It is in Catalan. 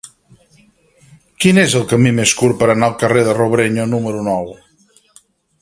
Quin és el camí més curt per anar al carrer de Robrenyo número nou?